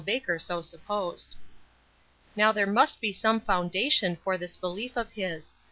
Baker so supposed. Now there must be some foundation for this belief of his.